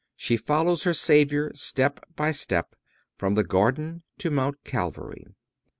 She follows her Savior step by step from the Garden to Mount Calvary.